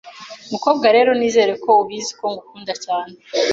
Mukobwa rero, nizere ko ubizi ko ngukunda cyane